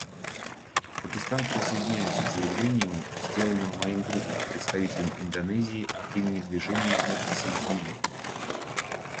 Пакистан присоединяется к заявлению, сделанному моим другом — представителем Индонезии — от имени Движения неприсоединения.